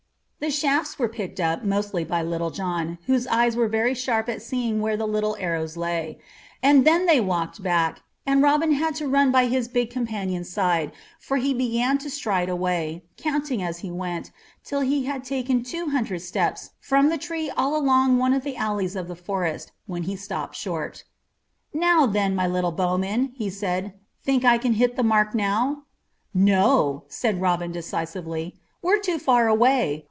The shafts were picked up, mostly by Little John, whose eyes were very sharp at seeing where the little arrows lay; and then they walked back, and Robin had to run by his big companion's side, for he began to stride away, counting as he went, till he had taken two hundred steps from the tree all along one of the alleys of the forest, when he stopped short. "Now then, my little bowman," he said; "think I can hit the mark now?" "No," said Robin decisively; "we're too far away.